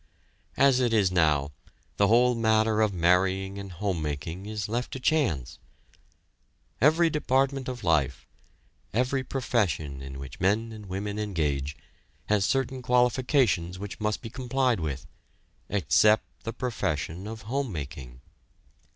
As it is now, the whole matter of marrying and homemaking is left to chance. Every department of life, every profession in which men and women engage, has certain qualifications which must be complied with, except the profession of homemaking.